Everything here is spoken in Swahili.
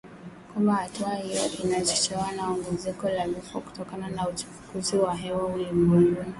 kwamba hatua hiyo imechochewa na ongezeko la vifo kutokana na uchafuzi wa hewa ulimwenguni